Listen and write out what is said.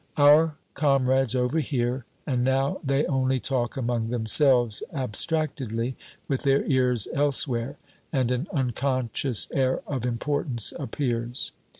Our comrades overhear, and now they only talk among themselves abstractedly, with their ears elsewhere, and an unconscious air of importance appears.